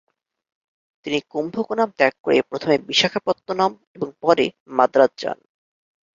তিনি কুম্ভকোনাম ত্যাগ করে প্রথমে বিশাখাপত্তনম এবং পরে মাদ্রাজ যান।